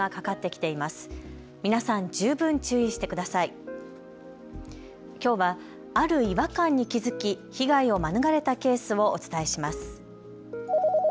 きょうは、ある違和感に気付き被害を免れたケースをお伝えします。